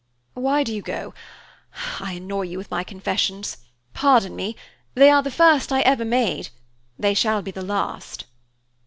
Why do you go? I annoy you with my confessions. Pardon me. They are the first I ever made; they shall be the last."